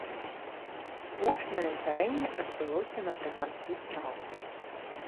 Гучнае здарэнне адбылося напрыканцы траўня.